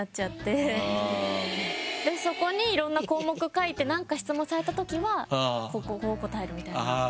そこにいろんな項目書いて何か質問されたときはこうこうこう答えるみたいな。